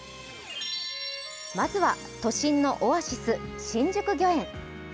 まずは都心のオアシス・新宿御苑。